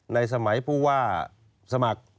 ในสมัยผู้ว่าสมัคร